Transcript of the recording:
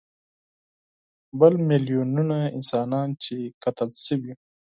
بل میلیونونه انسانان چې قتل شوي.